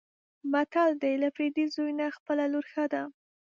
متل دی: له پردي زوی نه خپله لور ښه ده.